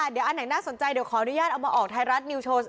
เดี๋ยวอันไหนน่าสนใจเดี๋ยวขออนุญาตเอามาออกไทยรัฐนิวโชว์